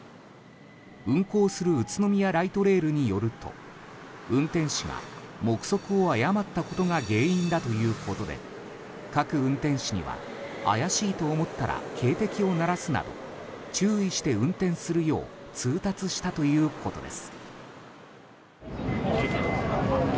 運行する宇都宮ライトレールによると運転士が目測を誤ったことが原因だということで各運転士には、怪しいと思ったら警笛を鳴らすなど注意して運転するよう通達したということです。